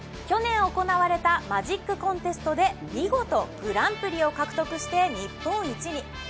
去年行われたマジックコンテストで見事グランプリを獲得して日本一に。